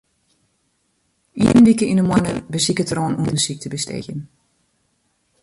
Ien wike yn 'e moanne besiket er oan ûndersyk te besteegjen.